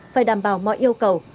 phải đảm bảo mọi yêu cầu